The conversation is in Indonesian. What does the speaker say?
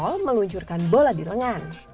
lalu arm roll meluncurkan bola di lengan